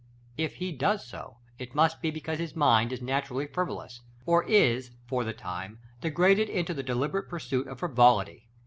If he does so, it must be because his mind is naturally frivolous, or is for the time degraded into the deliberate pursuit of frivolity.